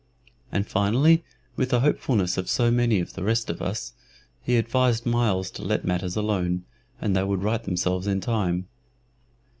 And, finally, with the hopefulness of so many of the rest of us, he advised Myles to let matters alone, and they would right themselves in time.